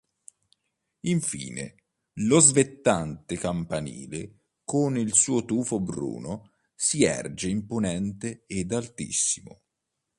Infine, lo svettante campanile, con il suo tufo bruno, si erge imponente ed altissimo.